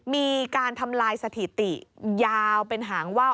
มีการทำลายสถิติยาวเป็นหางว่าว